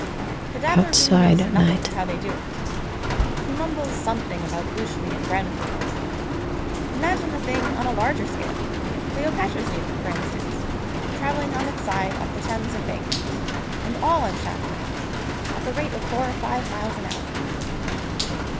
The dabbler really knows nothing of how they do it. He mumbles something about Bütschli and Grenfell. Imagine the thing on a larger scale, Cleopatra's Needle, for instance, travelling on its side up the Thames Embankment, and all unchaperoned, at the rate of four or five miles an hour.